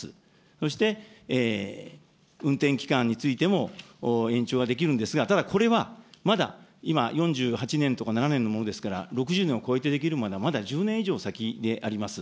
そして運転期間についても延長はできるんですが、ただこれは、まだ今４８年とか７年のものですから、６０年を超えてできるまではまだ１０年以上先であります。